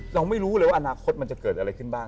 เราไม่รู้เลยว่าอนาคตมันจะเกิดอะไรขึ้นบ้าง